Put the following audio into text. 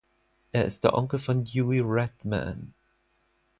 Er ist der Onkel von Dewey Redman.